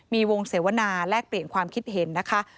มีวงเสวนาแลกเปลี่ยนความคิดเห็นนะคะ